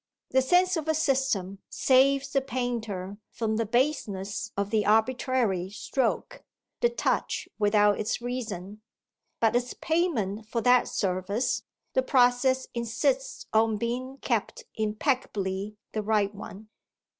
The sense of a system saves the painter from the baseness of the arbitrary stroke, the touch without its reason, but as payment for that service the process insists on being kept impeccably the right one.